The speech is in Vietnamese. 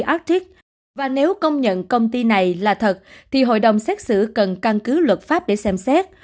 công ty arctic và nếu công nhận công ty này là thật thì hội đồng xét xử cần căn cứ luật pháp để xem xét